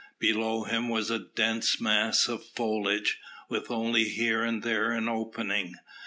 Below him was a dense mass of foliage, with only here and there an opening.